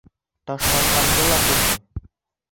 «Ташланғанды ла күрҙең?»